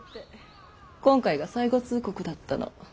今回が最後通告だったの。